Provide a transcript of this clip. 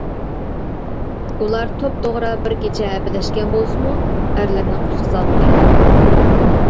ئۇلار توپتوغرا بىر كېچە ھەپىلەشكەن بولسىمۇ ئەرلىرىنى قۇتقۇزالمىغان.